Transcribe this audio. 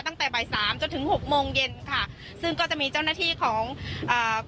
ตั้งแต่บ่ายสามจนถึงหกโมงเย็นค่ะซึ่งก็จะมีเจ้าหน้าที่ของอ่า